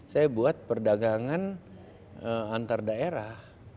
saya buat perdagangan antar daerah